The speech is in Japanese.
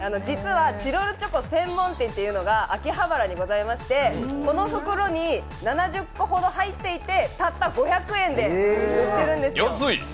実はチロルチョコ専門店というのが秋葉原にありまして、この袋に７０個ほど入っていてたった５００円で売ってるんですよ。